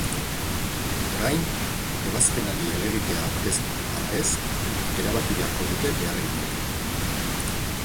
Orain, ebazpenari helegitea aurkeztu ala ez erabaki beharko dute beharginek.